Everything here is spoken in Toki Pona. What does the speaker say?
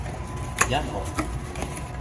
jan o!